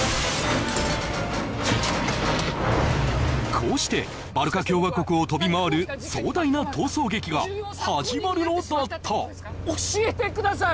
こうしてバルカ共和国を飛び回る壮大な逃走劇が始まるのだった教えてください